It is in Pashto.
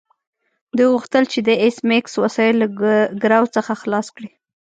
دوی غوښتل چې د ایس میکس وسایل له ګرو څخه خلاص کړي